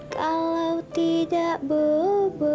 kalau di tuned